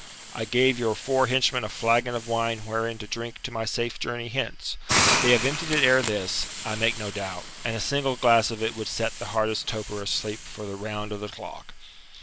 I gave your four henchmen a flagon of wine wherein to drink to my safe journey hence. They have emptied it ere this, I make no doubt, and a single glass of it would set the hardest toper asleep for the round of the clock."